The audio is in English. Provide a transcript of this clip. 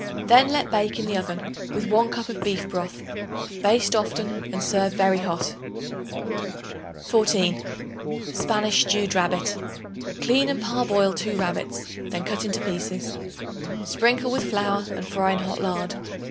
Then let bake in the oven with 1 cup of beef broth. Baste often and serve very hot. 14. Spanish Stewed Rabbit. Clean and parboil 2 rabbits; then cut into pieces. Sprinkle with flour and fry in hot lard.